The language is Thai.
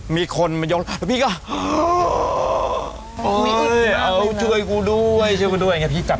มีคนมายกแล้วพี่ก็